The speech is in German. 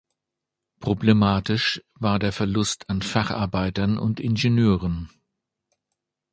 Problematisch war der Verlust an Facharbeitern und Ingenieuren.